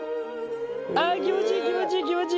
あ気持ちいい気持ちいい気持ちいい。